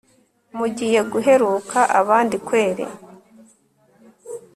mugiye guheruka abandi kweri